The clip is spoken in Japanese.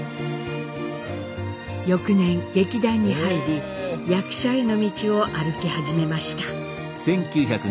翌年劇団に入り役者への道を歩き始めました。